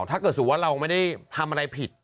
ถ้าเกิดว่าเราไม่ได้ทำอะไรผิด